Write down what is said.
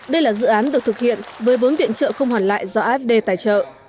đây là dự án được thực hiện với vốn viện trợ không hoàn lại do afd tài trợ